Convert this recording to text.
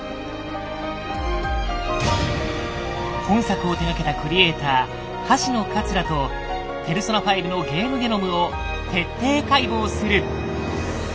本作を手がけたクリエイター橋野桂と「ペルソナ５」のゲームゲノムを徹底解剖する。